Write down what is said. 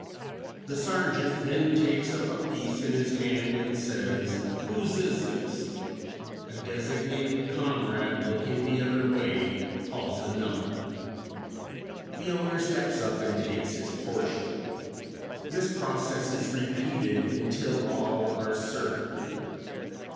The sergeant then takes up a piece in his hand and says, "Whose is this?" A designated comrade looking the other way calls a number. The owner steps up and takes his portion. This process is repeated until all are served.